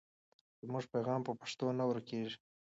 زموږ پیغام په پښتو نه ورکېږي.